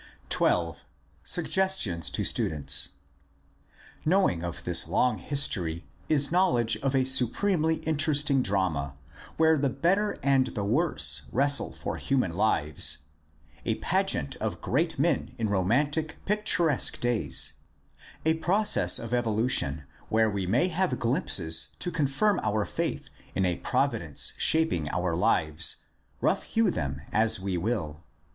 XII. SUGGESTIONS TO STUDENTS Knowledge of this long story is knowledge of a supremely interesting drama where the better and the worse wrestle for human lives, a pageant of great men in romantic picturesque days, a process of evolution where we may have glimpses to confirm our faith in a Providence shaping our ends, rough hew them as we will.